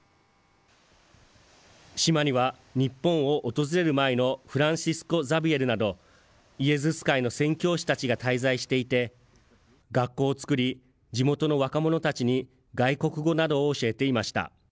島には日本を訪れる前のフランシスコ・ザビエルなど、イエズス会の宣教師たちが滞在していて、学校を作り、地元の若者たちに外国語などを教えていました。